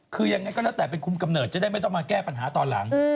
คือยังไงก็แล้วแต่เป็นคุมกำเนิดจะได้ไม่ต้องมาแก้ปัญหาตอนหลัง